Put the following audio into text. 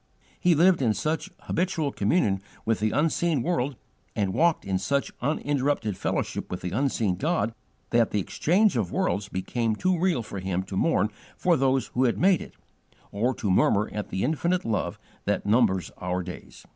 He lived in such habitual communion with the unseen world, and walked in such uninterrupted fellowship with the unseen God, that the exchange of worlds became too real for him to mourn for those who had made it, or to murmur at the infinite Love that numbers our days.